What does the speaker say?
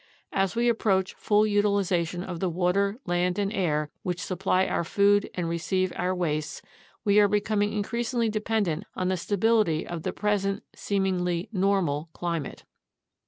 As we approach full utilization of the water, land, and air, which supply our food and receive our wastes, we are becoming in creasingly dependent on the stability of the present seemingly "normal" climate.